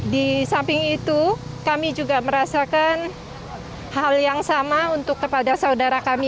di samping itu kami juga merasakan hal yang sama untuk kepada saudara kami